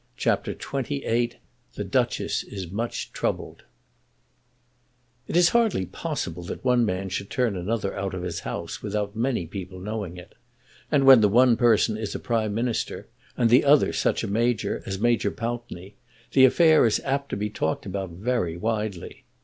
CHAPTER XXVIII The Duchess Is Much Troubled It is hardly possible that one man should turn another out of his house without many people knowing it; and when the one person is a Prime Minister and the other such a Major as Major Pountney, the affair is apt to be talked about very widely.